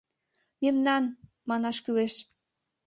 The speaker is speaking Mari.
«Мемнан» манаш кӱлеш...